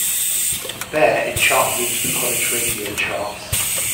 There it charted into the college radio charts.